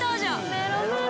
メロメロ